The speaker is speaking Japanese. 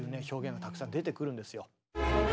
表現がたくさん出てくるんですよ。